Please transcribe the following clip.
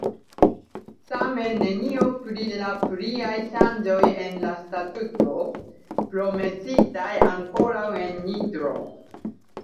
Same nenio pri la pliaj ŝanĝoj en la Statuto, promesitaj ankoraŭ en Nitro.